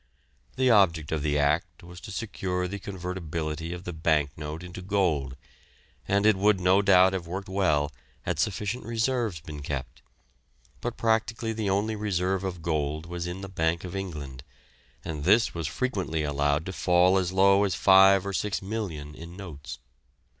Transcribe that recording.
The object of the Act was to secure the convertibility of the bank note into gold, and it would no doubt have worked well had sufficient reserves been kept, but practically the only reserve of gold was in the Bank of England, and this was frequently allowed to fall as low as five or six million in notes.